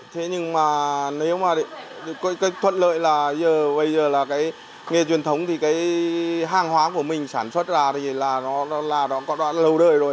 thế nhưng mà nếu mà thuận lợi là bây giờ là cái nghề truyền thống thì cái hàng hóa của mình sản xuất ra thì là nó đã lâu đời rồi